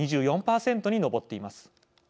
２４％に上っています。